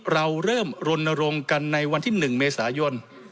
เราเริ่มรณรงค์กันในวันที่๑เมษายน